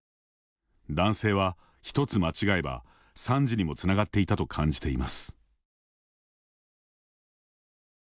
男性は、ひとつ間違えば惨事にもつながっていたと感じています。